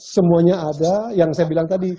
semuanya ada yang saya bilang tadi